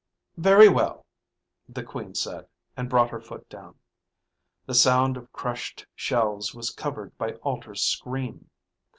"Very well," the Queen said, and brought her foot down. The sound of crushed shells was covered by Alter's scream.